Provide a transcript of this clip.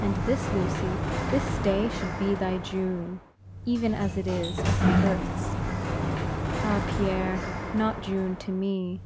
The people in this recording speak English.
And this, Lucy, this day should be thy June, even as it is the earth's?" "Ah Pierre! not June to me.